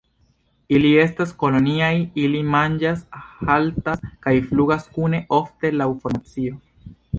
Ili estas koloniaj; ili manĝas, haltas kaj flugas kune, ofte laŭ formacio.